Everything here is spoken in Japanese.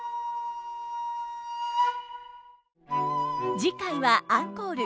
次回はアンコール。